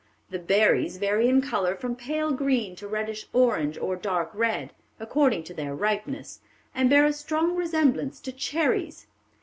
The berries vary in color from pale green to reddish orange or dark red, according to their ripeness, and bear a strong resemblance to cherries.